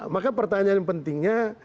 maka pertanyaan yang pentingnya